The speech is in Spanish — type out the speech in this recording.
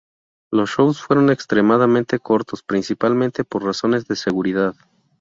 Los shows fueron extremadamente cortos, principalmente por razones de seguridad.